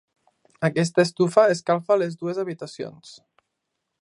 Aquesta estufa escalfa les dues habitacions.